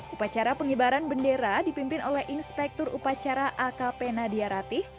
upacara pengibaran bendera dipimpin oleh inspektur upacara akp nadia ratih